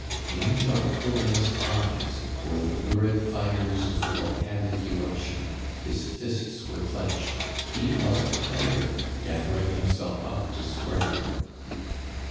In Jacques Collin's eyes were the lurid fires of a volcanic eruption, his fists were clenched. He was a tiger gathering himself up to spring.